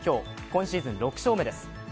今シーズン６勝目です。